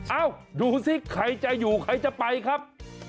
เอ้าดูสิใครจะอยู่ใครจะไปครับ